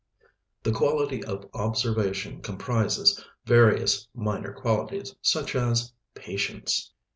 The quality of observation comprises various minor qualities, such as patience.